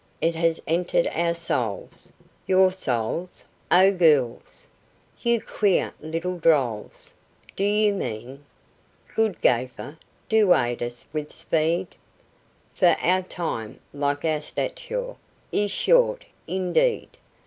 it has entered our souls." "Your souls? O gholes, You queer little drolls, Do you mean....?" "Good gaffer, do aid us with speed, For our time, like our stature, is short indeed!